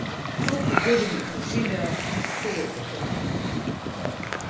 Толку години проживеав, и сѐ е потонато.